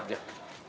terima kasih pak joko